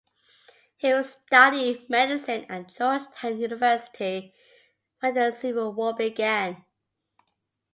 He was studying medicine at Georgetown University when the Civil War began.